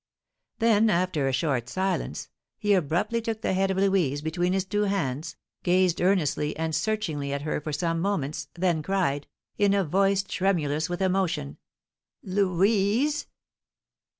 Then, after a short silence, he abruptly took the head of Louise between his two hands, gazed earnestly and searchingly at her for some moments, then cried, in a voice tremulous with emotion, "Louise?"